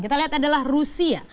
kita lihat adalah rusia